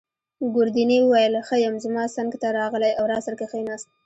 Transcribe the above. ګوردیني وویل: ښه یم. زما څنګته راغلی او راسره کښېناست.